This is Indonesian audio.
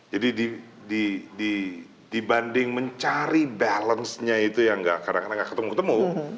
jadi dibanding mencari balance nya itu yang kadang kadang gak ketemu ketemu